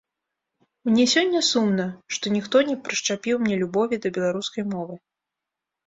Мне сёння сумна, што ніхто не прышчапіў мне любові да беларускай мовы.